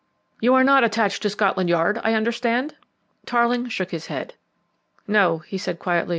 You're not attached to Scotland Yard, I understand?" Tarling shook his head. "No," he said quietly.